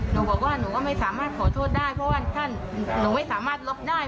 หนูบอกว่าหนูก็ไม่สามารถขอโทษได้เพราะว่าท่านหนูไม่สามารถล็อกได้